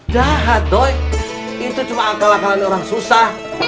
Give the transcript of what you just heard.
jahat dok itu cuma akal akalan orang susah